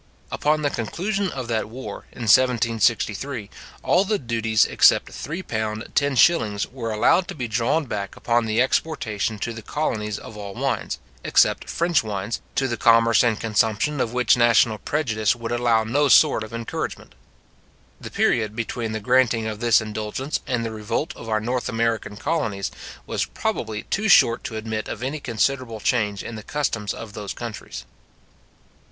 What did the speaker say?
Upon the conclusion of that war, in 1763 (by the 4th Geo. III, chap. 15, sect. 12), all the duties except £3, 10s. were allowed to be drawn back upon the exportation to the colonies of all wines, except French wines, to the commerce and consumption of which national prejudice would allow no sort of encouragement. The period between the granting of this indulgence and the revolt of our North American colonies, was probably too short to admit of any considerable change in the customs of those countries.